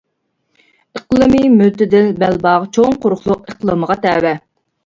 ئىقلىمى مۆتىدىل بەلباغ چوڭ قۇرۇقلۇق ئىقلىمىغا تەۋە.